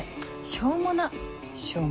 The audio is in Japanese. しょうもな。